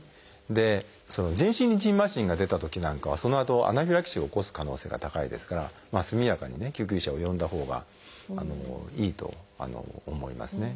で全身にじんましんが出たときなんかはそのあとアナフィラキシーを起こす可能性が高いですから速やかに救急車を呼んだほうがいいと思いますね。